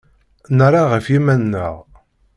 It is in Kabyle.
Nerra ɣef yiman-nneɣ.